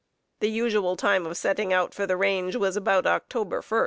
The usual time of setting out for the range was about October 1.